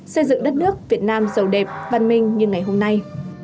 xây dựng đất nước việt nam giàu đẹp văn minh như ngày hôm nay